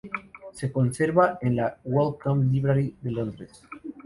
Se conserva en la Wellcome Library de Londres.